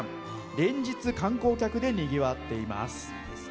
連日、観光客でにぎわっています。